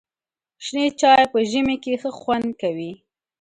شنې چای په ژمي کې ښه خوند کوي.